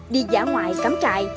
đi giả ngoại cắm trại